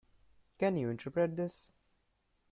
Can you interpret this?